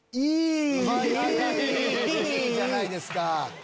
いいじゃないですか。